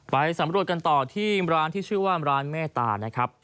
ไปสำรวจกันต่อที่ร้านที่ชื่อว่าร้านเมตตานะครับ